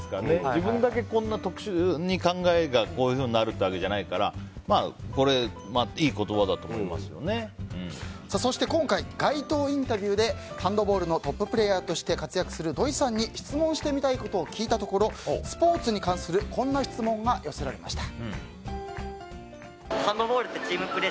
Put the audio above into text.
自分だけこんな特殊に考えがこういうふうになるっていうわけじゃないからそして今回街頭インタビューでハンドボールのトッププレーヤーとして活躍する土井さんに質問したいことを聞いたところ、スポーツに関するこんな質問が寄せられました。